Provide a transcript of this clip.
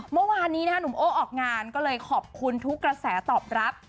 เมื่อวานนี้หนุ่มโอ้ออกงานก็เลยขอบคุณทุกกระแสตอบรับ